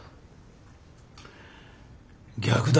逆だ。